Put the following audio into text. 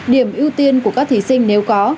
điểm ưu tiên của các thí sinh nếu có